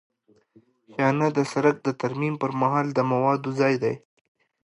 شانه د سرک د ترمیم پر مهال د موادو ځای دی